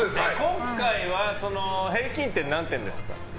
今回は平均点、何点ですか？